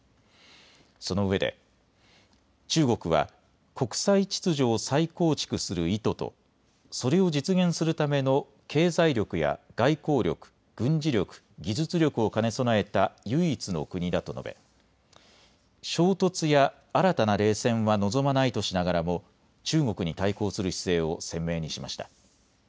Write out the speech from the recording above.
そのうえで、中国は国際秩序を再構築する意図とそれを実現するための経済力や外交力、軍事力、技術力を兼ね備えた唯一の国だと述べ衝突や新たな冷戦は望まないとしながらも中国に対抗する姿勢を鮮明にしました。